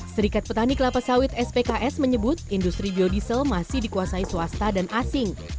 serikat petani kelapa sawit spks menyebut industri biodiesel masih dikuasai swasta dan asing